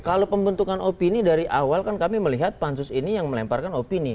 kalau pembentukan opini dari awal kan kami melihat pansus ini yang melemparkan opini